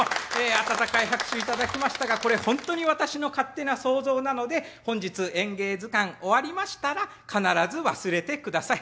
温かい拍手頂きましたがこれ本当に私の勝手な想像なので本日「演芸図鑑」終わりましたら必ず忘れてください。